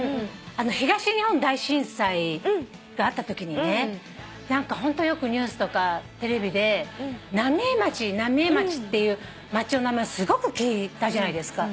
東日本大震災があったときにねホントよくニュースとかテレビで「浪江町」っていう町の名前をすごく聞いたじゃないですか。